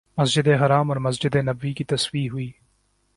مسجد حرام اور مسجد نبوی کی توسیع ہوئی